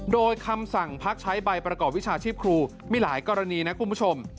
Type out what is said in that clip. โดยคำสั่งพักใช้ใบประกอบวิชาชีพครูมีหลายกรณีนะคุณผู้ชม